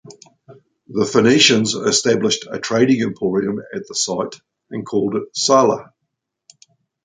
The Phoenicians established a trading emporium at the site and called it "Sala".